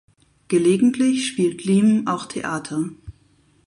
Gelegentlich spielt Liem auch Theater.